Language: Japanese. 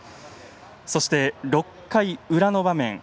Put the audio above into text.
そして、６回裏の場面。